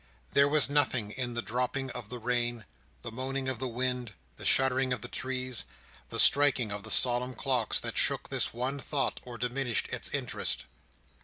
There was nothing in the dropping of the rain, the moaning of the wind, the shuddering of the trees, the striking of the solemn clocks, that shook this one thought, or diminished its interest.